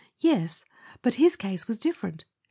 Yes— but his case was different.